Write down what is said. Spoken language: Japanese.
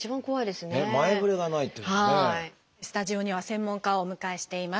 スタジオには専門家をお迎えしています。